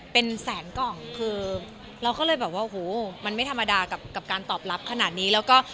เป็นแสนกล่องคือเราก็เลยแบบว่าโหมันไม่ธรรมดากับการตอบรับขนาดนี้แล้วก็